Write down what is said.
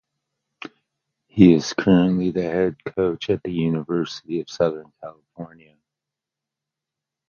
He is currently the head coach at the University of Southern California.